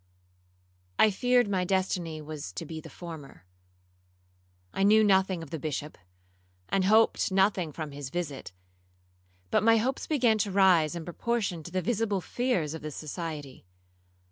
'I feared my destiny was to be the former. I knew nothing of the Bishop, and hoped nothing from his visit; but my hopes began to rise in proportion to the visible fears of the society.